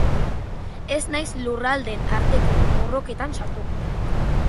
Ez naiz lurraldeen arteko borroketan sartuko.